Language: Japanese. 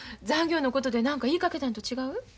残業のことで何か言いかけたんと違う？